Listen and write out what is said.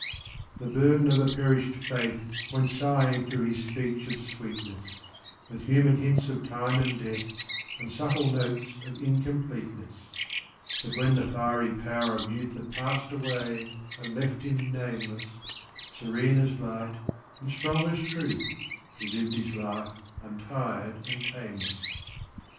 The burden of a perished faith Went sighing through his speech of sweetness, With human hints of time and death, And subtle notes of incompleteness. But when the fiery power of youth Had passed away and left him nameless, Serene as light, and strong as truth, He lived his life, untired and tameless.